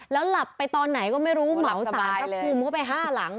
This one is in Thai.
แล้วหลับไปตอนไหนก็ไม่รู้เหมาสารพระภูมิเข้าไป๕หลัง